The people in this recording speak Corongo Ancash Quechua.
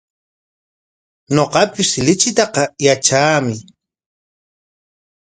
Ñuqapis lichitaqa yatraami.